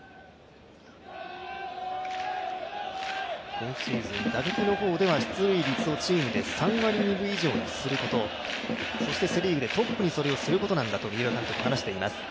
今シーズン打撃の方では出塁率を３割２分以上にすることそしてセ・リーグで、トップでそれをすることと、三浦監督話しています。